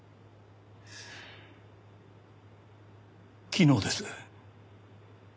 昨日です。